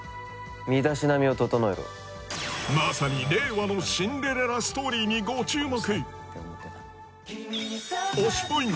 身だしなみを整えろまさに令和のシンデレラストーリーにご注目！